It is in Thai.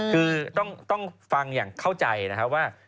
คือต้องฟังอย่างเข้าใจนะครับว่า